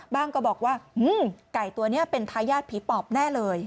ก็บอกว่าไก่ตัวนี้เป็นทายาทผีปอบแน่เลย